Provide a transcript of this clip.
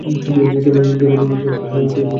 কেবল তিনিই না।